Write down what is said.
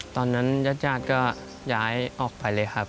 ตอนนั้นญาติก็ย้ายออกไปเลยครับ